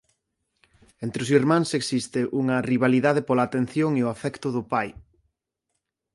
Entre os irmáns existe unha rivalidade pola atención e o afecto do pai.